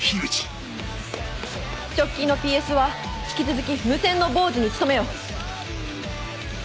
直近のＰＳは引き続き無線の傍受に努めよ。